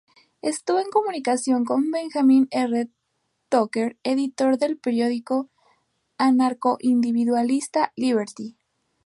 Estuvo en comunicación con Benjamin R. Tucker editor del periódico anarcoindividualista "Liberty".